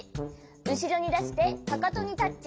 うしろにだしてかかとにタッチ。